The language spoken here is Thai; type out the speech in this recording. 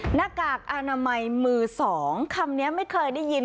หน้ากากอนามัยมือสองคำนี้ไม่เคยได้ยิน